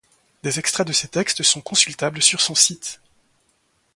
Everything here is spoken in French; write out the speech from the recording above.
Des extraits de ces textes sont consultable sur son site.